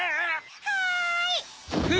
はい！